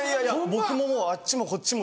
僕ももうあっちもこっちも。